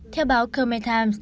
theo báo công an